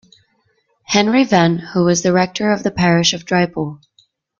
Henry Venn, who was the rector of the parish of Drypool.